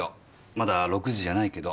まだ６時じゃないけど。